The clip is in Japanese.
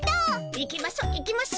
行きましょ行きましょ。